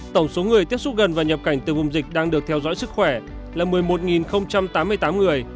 tổng số người tiếp xúc gần và nhập cảnh từ vùng dịch đang được theo dõi sức khỏe là một mươi một tám mươi tám người